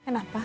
hai enak pak